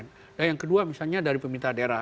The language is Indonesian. nah yang kedua misalnya dari pemerintah daerah